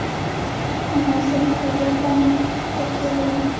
افغانستان په فاریاب باندې تکیه لري.